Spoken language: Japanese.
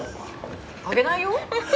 あげないよ。